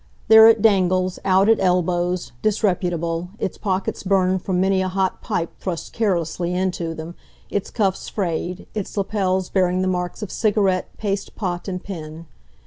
There it dangles, out at elbows, disreputable, its pockets burned from many a hot pipe thrust carelessly into them, its cuffs frayed, its lapels bearing the marks of cigarette, paste pot and pen.